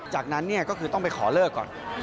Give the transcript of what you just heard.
จากนั้นก็คือต้องไปขอเลิกก่อน